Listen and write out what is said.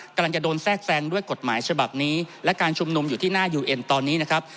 กำลังจะโดนแทรกแซงด้วยกฎหมายฉบับนี้และการชุมนุมอยู่ที่หน้ายูเอ็นตอนนี้นะครับ